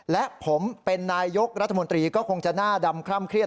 และผมเป็นนายยกรัฐมนตรีก็คงจะหน้าดำคล่ำเครียด